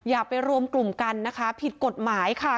อย่าไปรวมกลุ่มกันนะคะผิดกฎหมายค่ะ